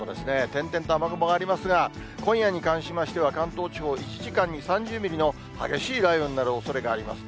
点々と雨雲がありますが、今夜に関しましては、関東地方、１時間に３０ミリの激しい雷雨になるおそれがあります。